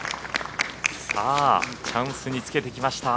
チャンスにつけてきました。